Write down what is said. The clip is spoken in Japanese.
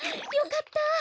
よかった！